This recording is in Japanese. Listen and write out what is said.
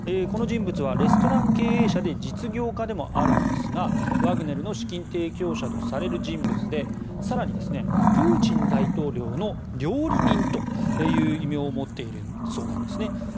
この人物はレストラン経営者で実業家でもあるんですがワグネルの資金提供者とされる人物で更に、プーチン大統領の料理人という異名を持っているそうなんですね。